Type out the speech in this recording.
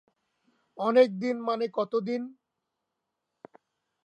অনেক দিন মানে কত দিন?